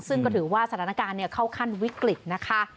ซึ่งก็ถือว่าสถานการณ์เข้าขั้นวิกฤตนะคะ